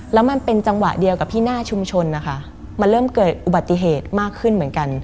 แล้วมันเป็นจังหวะเดียวกับที่หน้าชุมชนนะคะมันเริ่มเกิดอุบัติเหตุมากขึ้นเหมือนกัน